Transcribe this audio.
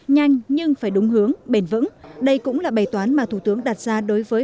nhanh nhưng phải đúng hướng bền vững đây cũng là bày toán mà thủ tướng đặt ra đối với